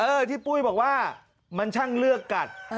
ที่ปุ้ยบอกว่ามันช่างเลือกกัด